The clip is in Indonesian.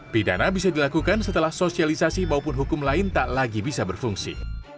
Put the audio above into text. pidana bisa dilakukan setelah sosialisasi maupun hukum lain tak lagi bisa berfungsi